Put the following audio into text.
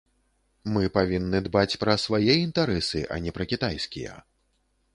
Мы павінны дбаць пра свае інтарэсы, а не пра кітайскія.